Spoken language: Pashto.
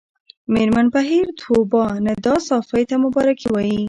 مېرمن بهیر طوبا ندا ساپۍ ته مبارکي وايي